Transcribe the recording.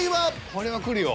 これはくるよ。